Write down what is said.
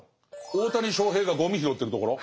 大谷翔平がゴミ拾ってるところ？